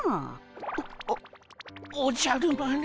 おおじゃる丸。